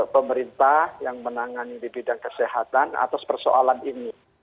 pemerintah yang menangani di bidang kesehatan atas persoalan ini